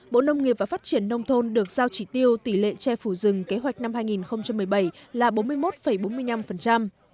bộ nông nghiệp và phát triển nông thôn được giao chỉ tiêu tỷ lệ che phủ rừng kế hoạch năm hai nghìn một mươi bảy là bốn mươi một bốn mươi năm